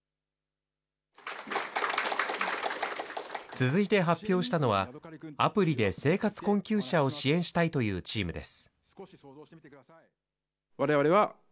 続いて発表したのは、アプリで生活困窮者を支援したいというチームです。